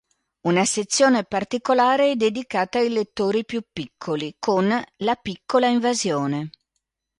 Una sezione particolare è dedicata ai lettori più piccoli con La piccola invasione.